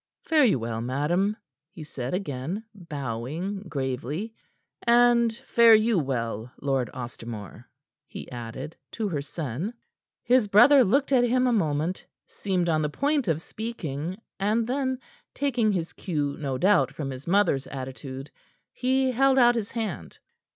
"Fare you well, madam," he said again, bowing gravely. "And fare you well, Lord Ostermore," he added to her son. His brother looked at him a moment; seemed on the point of speaking, and then taking his cue, no doubt, from his mother's attitude he held out his hand.